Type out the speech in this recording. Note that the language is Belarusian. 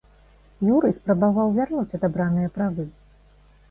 Юрый спрабаваў вярнуць адабраныя правы.